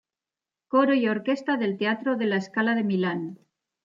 Coro y Orquesta del Teatro de La Scala de Milán.